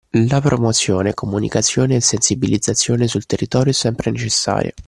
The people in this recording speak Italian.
La promozione, comunicazione e sensibilizzazione sul territorio è sempre necessaria